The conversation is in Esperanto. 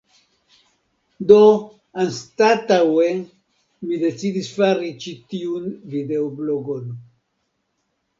Do, anstataŭe mi decidis fari ĉi tiun videoblogon